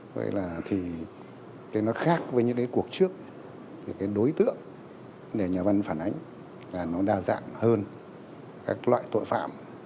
vậy là nó khác với những cuộc trước đối tượng để nhà văn phản ánh là nó đa dạng hơn các loại tội phạm